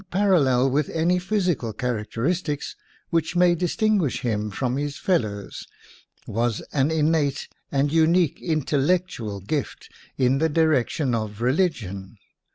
WOMAN AND WAR allel with any physical characteristics which may distinguish him from his fellows, was an innate and unique in tellectual gift in the direction of re ligion.